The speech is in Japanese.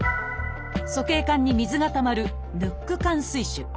鼠径管に水がたまる「ヌック管水腫」。